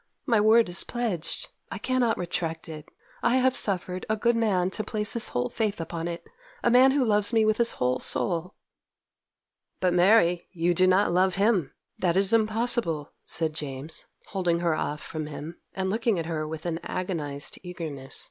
'My word is pledged. I cannot retract it. I have suffered a good man to place his whole faith upon it—a man who loves me with his whole soul!' 'But, Mary! you do not love him! That is impossible!' said James, holding her off from him, and looking at her with an agonized eagerness.